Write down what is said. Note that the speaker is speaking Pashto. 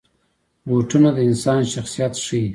بوټونه د انسان شخصیت ښيي.